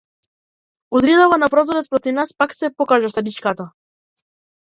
Утринава на прозорец спроти нас пак се покажа старичката.